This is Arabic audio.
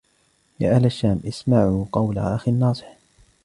يَا أَهْلَ الشَّامِ اسْمَعُوا قَوْلَ أَخٍ نَاصِحٍ